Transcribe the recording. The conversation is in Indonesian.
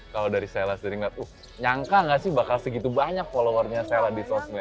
kalau dari sela dari ngeliat uh nyangka gak sih bakal segitu banyak followernya sela di sosmed